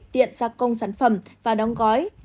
tiện gia công sản phẩm và đóng gói